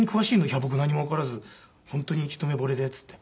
「いや僕何もわからず本当に一目ぼれで」って言って。